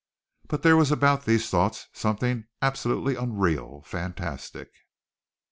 But there was about these thoughts something absolutely unreal, fantastic.